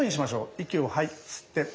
息を吸って。